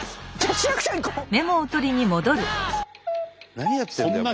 何やってんだよ。